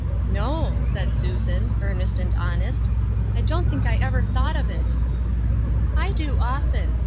*' No," said Susan, earnest and honest, "I don't think I ever thought of it." " I do often.